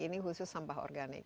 ini khusus sampah organik